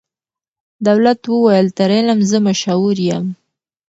دولت وویل تر علم زه مشهور یم